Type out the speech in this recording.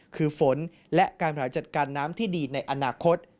คือฝนและการบริหารจัดการน้ำที่ดีในอนาคต